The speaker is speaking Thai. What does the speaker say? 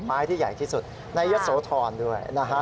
ไม้ที่ใหญ่ที่สุดในยะโสธรด้วยนะฮะ